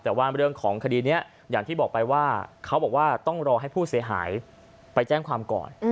แต่ว่าเรื่องของคดีนี้อย่างที่บอกไปว่าเขาบอกว่าต้องรอให้ผู้เสียหายไปแจ้งความก่อน